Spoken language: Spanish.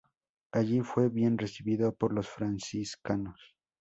Allí fue bien recibido por los franciscanos.